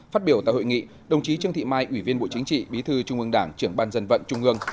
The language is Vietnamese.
phát biểu tại hội nghị đồng chí trương thị mai ủy viên bộ chính trị bí thư trung ương đảng trưởng ban dân vận trung ương